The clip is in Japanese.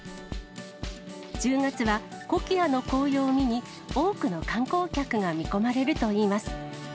１０月は、コキアの紅葉を見に、多くの観光客が見込まれるといいます。